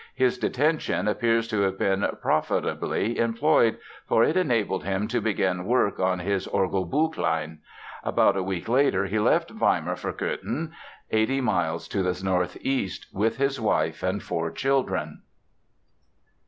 His detention appears to have been profitably employed for it enabled him to begin work on his Orgelbüchlein. About a week later he left Weimar for Cöthen, eighty miles to the northeast, with his wife and four children.